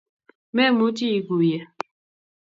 Memuchi iguiye